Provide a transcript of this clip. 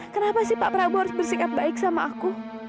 kenapa sih pak prabowo harus bersikap baik sama aku